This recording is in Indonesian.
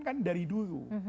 kan dari dulu